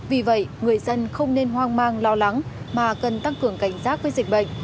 vì vậy người dân không nên hoang mang lo lắng mà cần tăng cường cảnh giác với dịch bệnh